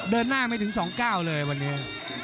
เดินหน้าไม่ถึง๒๙เลยวันนี้